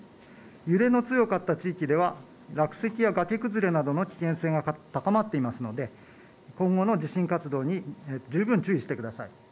揺れの強かった地域では落石や崖崩れなどの危険性が高まっていますので今後の地震活動に十分注意してください。